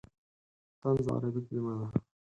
طنز عربي کلمه ده.